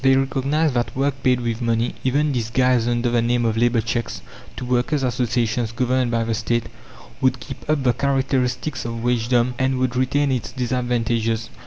They recognize that work paid with money, even disguised under the name of "labour cheques," to Workers' associations governed by the State, would keep up the characteristics of wagedom and would retain its disadvantages.